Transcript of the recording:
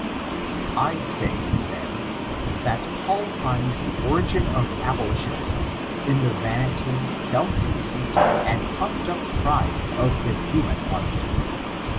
I say, then, that Paul finds the origin of abolitionism in the vanity, self conceit, and puflfed up pride of the human heart.